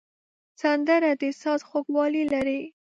سندره د ساز خوږوالی لري